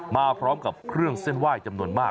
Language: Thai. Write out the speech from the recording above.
มาพร้อมกับเครื่องเส้นไหว้จำนวนมาก